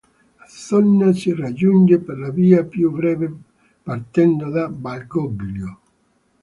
La zona si raggiunge per la via più breve partendo da Valgoglio.